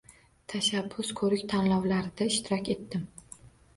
“Tashabbus” koʻrik tanlovlarida ishtirok etdim.